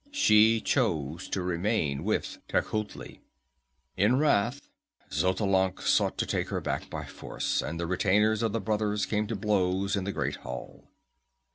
She chose to remain with Tecuhltli. In wrath Xotalanc sought to take her back by force, and the retainers of the brothers came to blows in the Great Hall.